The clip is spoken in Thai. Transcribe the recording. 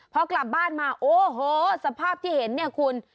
พอกลับบ้านมาโอ้โหสภาพที่เห็นเนี่ยคุณ